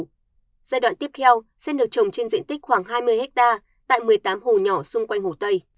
giai đoạn tiếp theo sen được trồng trên diện tích khoảng hai mươi ha tại một mươi tám hồ nhỏ xung quanh hồ tây